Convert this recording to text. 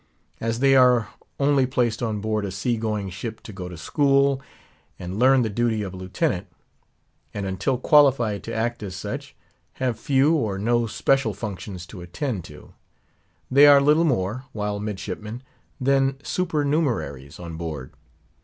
As they are only placed on board a sea going ship to go to school and learn the duty of a Lieutenant; and until qualified to act as such, have few or no special functions to attend to; they are little more, while midshipmen, than supernumeraries on board.